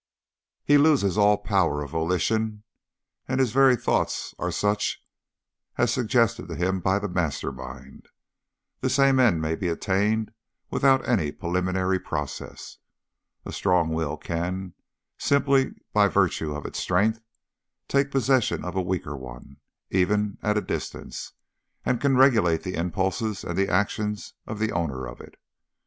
He loses all power of volition, and his very thoughts are such as are suggested to him by the master mind. The same end may be attained without any preliminary process. A strong will can, simply by virtue of its strength, take possession of a weaker one, even at a distance, and can regulate the impulses and the actions of the owner of it.